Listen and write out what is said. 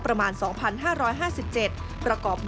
ซึ่งกลางปีนี้ผลการประเมินการทำงานขององค์การมหาชนปี๒ประสิทธิภาพสูงสุด